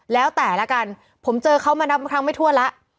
แล้วแต่ละกันผมเจอเขามานับครั้งไม่ทั่วแล้ว